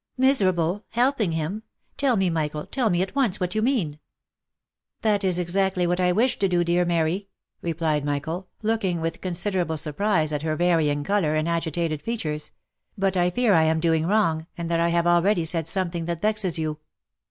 "Miserable? — Helping him? — Tell me, Michael, tell me at once what you mean !"" That is exactly what I wish to do, dear Mary !" replied Michael* looking with considerable surprise at her varying colour, and agitated features; "but I fear I am doing wrong, and that I have already said something that vexes you."